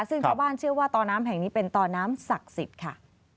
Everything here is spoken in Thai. ซึ่งชาวบ้านเชื่อว่าตอน้ำแห่งนี้เป็นต่อน้ำศักดิ์สิทธิ์ค่ะ